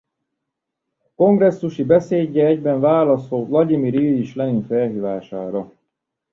A kongresszusi beszéde egyben válasz volt Vlagyimir Iljics Lenin felhívására.